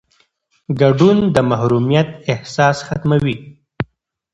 ګډون د محرومیت احساس ختموي